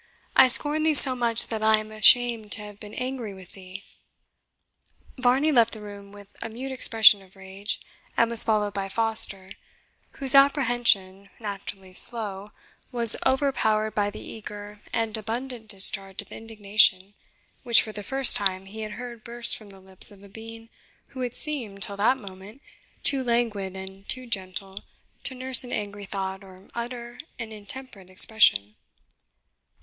I scorn thee so much that I am ashamed to have been angry with thee." Varney left the room with a mute expression of rage, and was followed by Foster, whose apprehension, naturally slow, was overpowered by the eager and abundant discharge of indignation which, for the first time, he had heard burst from the lips of a being who had seemed, till that moment, too languid and too gentle to nurse an angry thought or utter an intemperate expression.